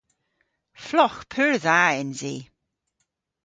Flogh pur dha ens i!